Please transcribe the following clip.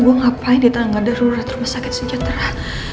gue ngapain di tangga darurat rumah sakit sejahtera